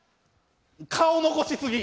顔残し過ぎ！